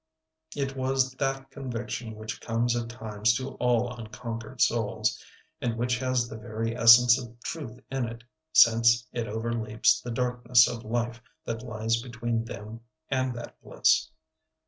It was that conviction which comes at times to all unconquered souls, and which has the very essence of truth in it, since it overleaps the darkness of life that lies between them and that bliss.